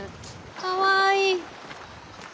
かわいい。